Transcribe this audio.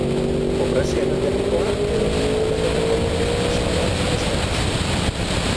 Pobrezia energetikoa edo klima aldaketako legeen kasua da, besteak beste.